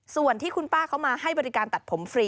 ส่วนที่คุณป้าเขามาให้บริการตัดผมฟรี